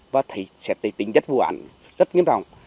và sẽ tính rất vụ ảnh rất nghiêm trọng